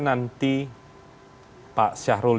nanti pak syahrul